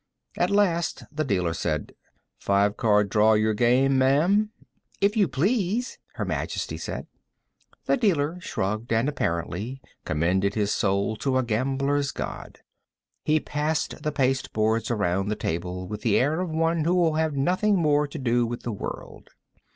At last, the dealer said: "Five card draw your game, ma'am?" "If you please," Her Majesty said. The dealer shrugged and, apparently, commended his soul to a gambler's God. He passed the pasteboards around the table with the air of one who will have nothing more to do with the world.